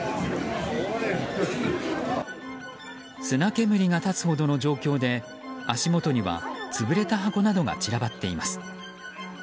砂煙が立つほどの状況で足元には潰れた箱などが散らばっています。